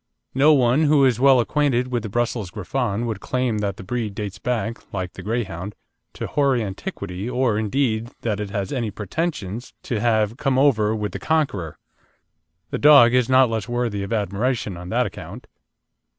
No one who is well acquainted with the Brussels Griffon would claim that the breed dates back, like the Greyhound, to hoary antiquity, or, indeed, that it has any pretensions to have "come over with the Conqueror." The dog is not less worthy of admiration on that account.